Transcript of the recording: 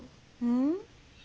うん？